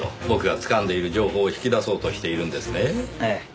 僕がつかんでいる情報を引き出そうとしているんですねぇ。